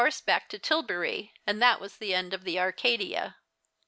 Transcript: horseback to Tilbury, and that was the end of the Arcadia."